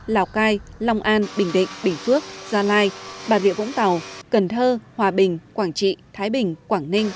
lào cai long an bình định bình phước gia lai bà rịa vũng tàu cần thơ hòa bình quảng trị thái bình quảng ninh